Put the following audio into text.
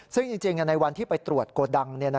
ซึ่งจริงในวันที่ไปตรวจโกดัง